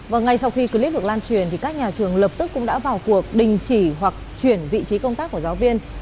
và ngay sau khi clip được lan truyền thì các nhà trường lập tức cũng đã vào cuộc đình chỉ hoặc chuyển vị trí công tác của giáo viên